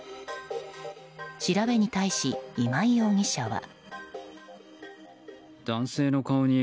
調べに対し、今井容疑者は。